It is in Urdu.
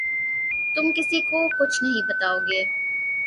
تم کسی کو کچھ نہیں بتاؤ گے